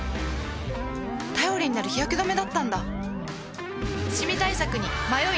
頼りになる日焼け止めだったんだ